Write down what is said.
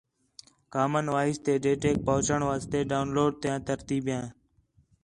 کامن وائس تے ڈیٹاک پُہنچݨ واسطے ڈاؤن لوڈ تیاں ترتیبیاں